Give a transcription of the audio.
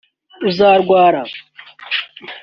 uzarwara